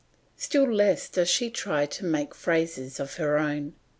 Still less does she try to make phrases of her own.